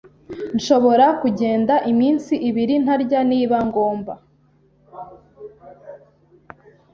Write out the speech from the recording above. Nshobora kugenda iminsi ibiri ntarya niba ngomba.